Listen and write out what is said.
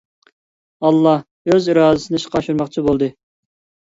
ئاللا ئۆز ئىرادىسىنى ئىشقا ئاشۇرماقچى بولدى.